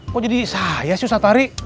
kok jadi saya sih usah tarik